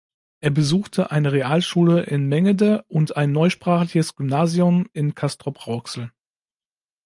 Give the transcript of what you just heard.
Er besuchte eine Realschule in Mengede und ein neusprachliches Gymnasium in Castrop-Rauxel.